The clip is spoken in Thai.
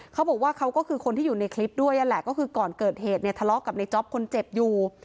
เขาบอกว่าเขาก็คือคนที่อยู่ในคลิปด้วยนั่นแหละก็คือก่อนเกิดเหตุเนี่ยทะเลาะกับในจ๊อปคนเจ็บอยู่